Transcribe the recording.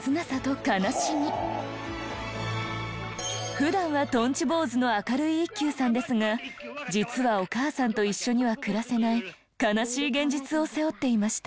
普段はとんち坊主の明るい一休さんですが実はお母さんと一緒には暮らせない悲しい現実を背負っていました。